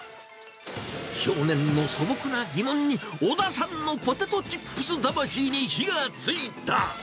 少年の素朴な疑問に、小田さんのポテトチップス魂に火がついた。